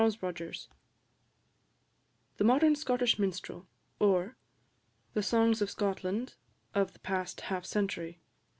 ]THE MODERN SCOTTISH MINSTREL; OR, THE SONGS OF SCOTLAND OF THE PAST HALF CENTURY.